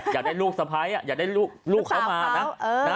อยากได้ลูกสะพ้ายอยากได้ลูกเขามานะ